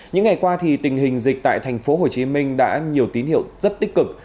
những ngày qua thì tình hình dịch tại thành phố hồ chí minh đã nhiều tín hiệu rất tích cực